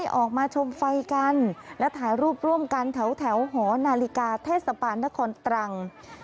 ออกมาชมไฟกันและถ่ายรูปร่วมกันแถวหอนาฬิกาเทศบาลนครตรัง